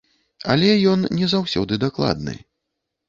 Але ён не заўсёды дакладны.